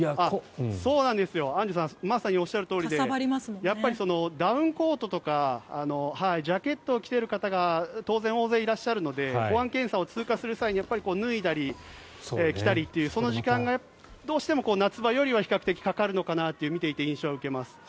そうなんですよ、アンジュさんまさにおっしゃるとおりでやっぱりダウンコートとかジャケットを着ている方が当然、大勢いらっしゃるので保安検査を通過する際に脱いだり着たりというその時間がどうしても夏場よりは比較的かかるのかなと見ていて、印象を受けます。